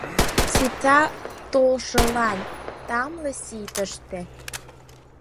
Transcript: Сита толшылан тамле сий тыште.